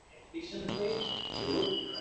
Asrab-avaylab katta qildim